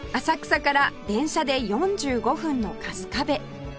浅草から電車で４５分の春日部